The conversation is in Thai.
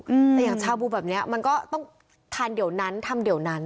แต่อย่างชาบูแบบเนี้ยมันก็ต้องทานเดี๋ยวนั้นทำเดี๋ยวนั้น